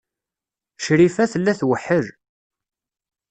Crifa tella tweḥḥel.